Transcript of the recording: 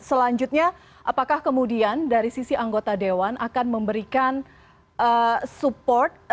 selanjutnya apakah kemudian dari sisi anggota dewan akan memberikan support